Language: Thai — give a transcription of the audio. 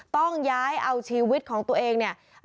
ต้องย้ายเอาชีวิตของตัวเองเนี่ย